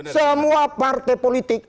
semua partai politik